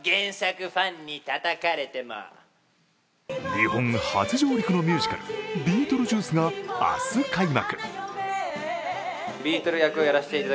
日本初上陸のミュージカル「ビートルジュース」が明日開幕。